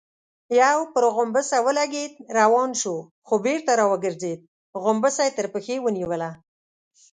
يو پر غومبسه ولګېد، روان شو، خو بېرته راوګرځېد، غومبسه يې تر پښې ونيوله.